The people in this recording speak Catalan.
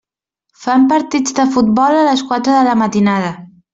Fan partits de futbol a les quatre de la matinada.